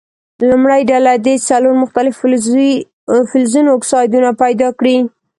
لومړۍ ډله دې څلور مختلفو فلزونو اکسایدونه پیداکړي.